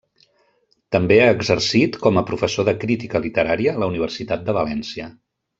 També ha exercit com a professor de Crítica Literària a la Universitat de València.